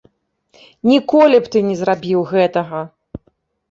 Ніколі б ты не зрабіў гэтага.